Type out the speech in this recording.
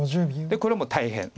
これも大変。